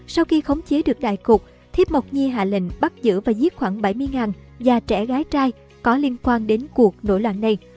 sau khi khống chế được đại cục thiếp mộc nhi hạ lệnh bắt giữ và giết khoảng bảy mươi và trẻ gái trai có liên quan đến cuộc nổi loạn này